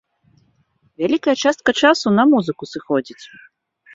Вялікая частка часу на музыку сыходзіць.